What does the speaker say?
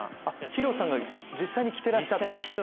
ＨＩＲＯさんが実際に着てらっしゃった。